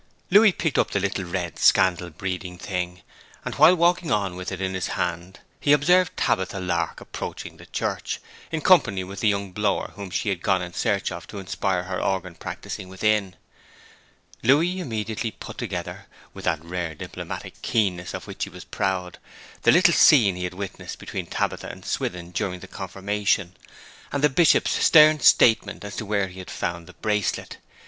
Louis picked up the little red scandal breeding thing, and while walking on with it in his hand he observed Tabitha Lark approaching the church, in company with the young blower whom she had gone in search of to inspire her organ practising within. Louis immediately put together, with that rare diplomatic keenness of which he was proud, the little scene he had witnessed between Tabitha and Swithin during the confirmation, and the Bishop's stern statement as to where he had found the bracelet.